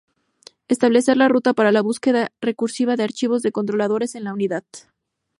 Establece la ruta para la búsqueda recursiva de archivos de controladores en la unidad.